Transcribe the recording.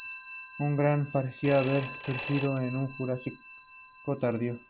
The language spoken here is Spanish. Está localizada en la constelación Camelopardalis.